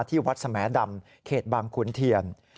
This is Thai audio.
ที่วัดสแหมดำเขตบางขุนเทียน